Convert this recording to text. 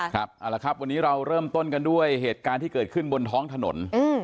วันนี้เราเริ่มต้นกันด้วยเหตุการณ์ที่เกิดขึ้นบนท้องถนน